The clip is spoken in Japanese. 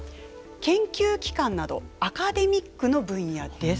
研究機関などアカデミックの分野です。